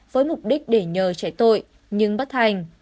với mục đích để nhờ trải tội nhưng bất thành